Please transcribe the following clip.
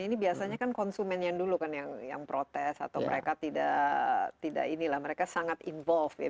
ini biasanya kan konsumen yang dulu kan yang protes atau mereka tidak sangat involve